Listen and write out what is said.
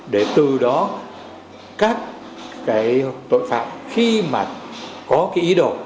để từ đó các cái tội phạm khi mà có cái ý đồ